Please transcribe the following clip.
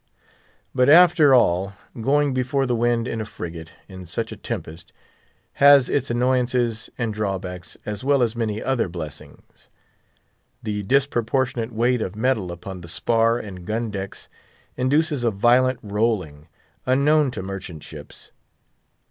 But, after all, going before the wind in a frigate, in such a tempest, has its annoyances and drawbacks, as well as many other blessings. The disproportionate weight of metal upon the spar and gun decks induces a violent rolling, unknown to merchant ships.